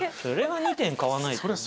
それは２点買わないと。